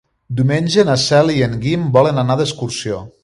Diumenge na Cel i en Guim volen anar d'excursió.